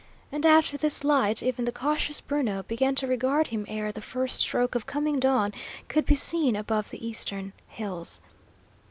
And after this light even the cautious Bruno began to regard him ere the first stroke of coming dawn could be seen above the eastern hills.